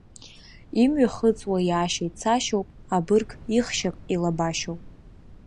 Имҩахыҵуа иаашьа ицашьоуп, абырг их-шьап илабашьоуп.